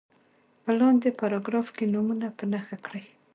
په لاندې پاراګراف کې نومونه په نښه کړي.